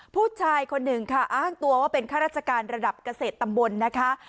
ผู้ชายคนหนึ่งค่ะอ้างตัวว่าเป็นข้าราชการระดับเกษตรตำบลนะคะ